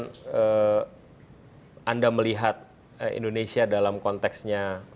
pada saat ini terserah mungkin